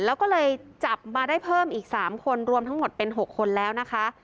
แล้วก็เลยจับมาได้เพิ่มอีก๓คนรวมทั้งหมดเป็น๖คนแล้วนะคะ